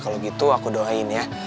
kalau gitu aku doain ya